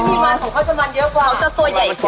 มันมีมันมันของเขาจะมันเยอะกว่า